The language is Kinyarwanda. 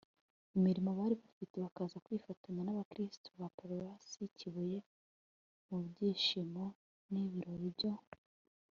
imirimo bari bafite bakaza kwifatanya n'abakristu ba paruwasi kibuye mu byishimo n'ibirori byo